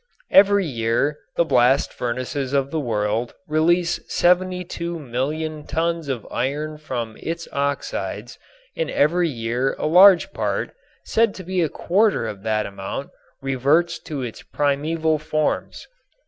Every year the blast furnaces of the world release 72,000,000 tons of iron from its oxides and every year a large part, said to be a quarter of that amount, reverts to its primeval forms.